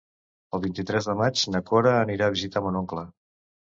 El vint-i-tres de maig na Cora anirà a visitar mon oncle.